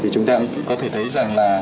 chúng ta có thể thấy rằng là